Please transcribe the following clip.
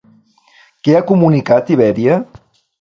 Què ha comunicat Ibèria?